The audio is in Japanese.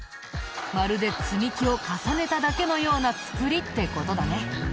まるで積み木を重ねただけのような造りって事だね。